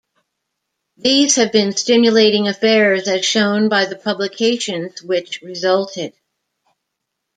These have been stimulating affairs as shown by the publications which resulted.